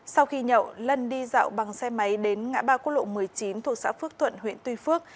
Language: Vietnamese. sau khi nhậu lân đi dạo bằng xe máy đến ngã ba quốc lộ một mươi chín thuộc xã phước thuận huyện tuy phước